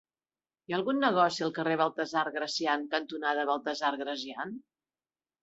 Hi ha algun negoci al carrer Baltasar Gracián cantonada Baltasar Gracián?